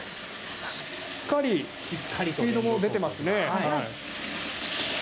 しっかりスピードも出てますね。